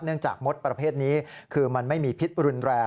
จากมดประเภทนี้คือมันไม่มีพิษรุนแรง